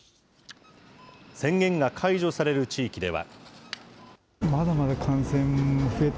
宣言が解除される地域では。